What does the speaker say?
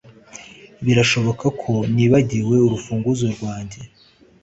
Birashoboka ko nibagiwe urufunguzo rwanjye